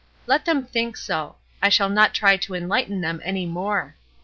Let them think so ; I shall not try to enlighten them any more.